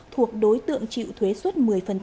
thuộc đối tượng chịu thuế suất một mươi